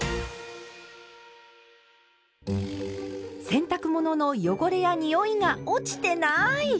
洗濯物の汚れやにおいが落ちてない！